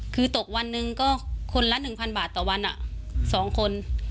คือตกวันหนึ่งก็คนละ๑๐๐บาทต่อวัน๒คน